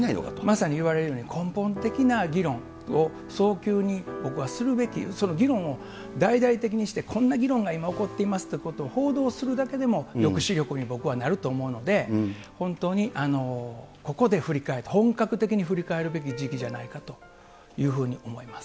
まさに言われるように根本的な議論を早急に僕はするべき、その議論を大々的にして、こんな議論が今起こっていますということを報道するだけでも抑止力に、僕はなると思うので、本当にここで振り返って、本格的に振り返るべき時期じゃないかというふうに思います。